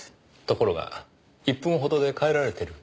ところが１分ほどで帰られてる。